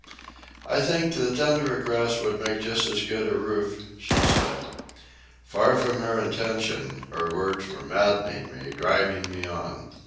"I think the tundra grass will make just as good a roof," she said. Far from her intention, her words were maddening me, driving me on.